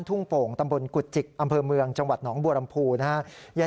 ส่วนเรื่องคดีความก็จะต้องเอาเรื่องให้ถึงที่สุดนะครับ